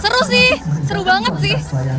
seru sih seru banget sih